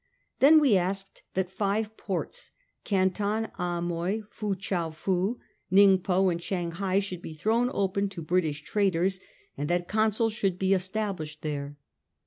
Then we asked that five ports, Canton, Amoy, Foo Chow Poo, Ningpo, and Shanghai, should be thrown open to British traders, and that consuls should be established there.